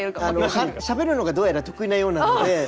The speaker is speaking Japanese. しゃべるのがどうやら得意なようなので。